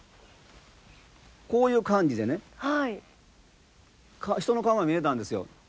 こういう感じでね人の顔が見えたんですよ。